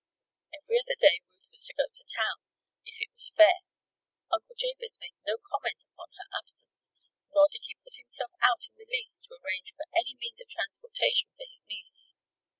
Every other day Ruth was to go to town, if it was fair. Uncle Jabez made no comment upon her absence; nor did he put himself out in the least to arrange for any means of transportation for his niece.